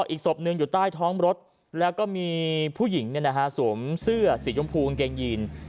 อีกศพหนึ่งอยู่ใต้ท้องรถแล้วก็มีผู้หญิงสวมเสื้อสีชมพูกางเกงยีน